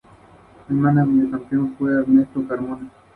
Su capital es la homónima Pskov.